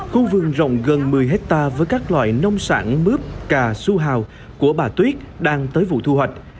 khu vườn rộng gần một mươi hectare với các loại nông sản mướp cà xu hào của bà tuyết đang tới vụ thu hoạch